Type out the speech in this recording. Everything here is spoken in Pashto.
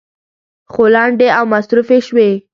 خو لنډې او مصروفې شوې.